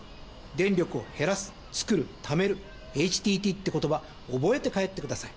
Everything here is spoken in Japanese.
電力を減らす・創る・ためる、ＨＴＴってことば、覚えて帰ってください。